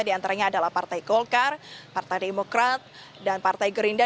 di antaranya adalah partai golkar partai demokrat dan partai gerindra